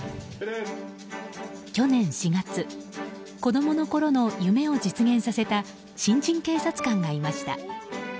去年４月子供のころの夢を実現させた新人警察官がいました。